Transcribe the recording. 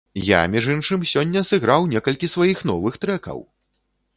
Я, між іншым, сёння сыграў некалькі сваіх новых трэкаў!